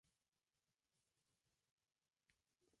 Está escrito en la tonalidad de sol mayor.